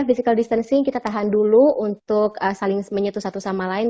physical distancing kita tahan dulu untuk saling menyetu satu sama lain